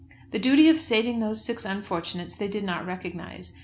The duty of saving those six unfortunates they did not recognise.